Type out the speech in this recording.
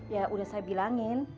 ya udah saya bilangin